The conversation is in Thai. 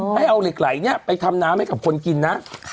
ให้เอาเหล็กไหลเนี่ยไปทำน้ำให้กับคนกินนะ